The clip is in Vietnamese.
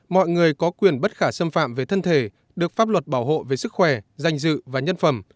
mọi người có quyền bất khả xâm phạm về thân thể được pháp luật bảo hộ về sức khỏe danh dự và nhân phẩm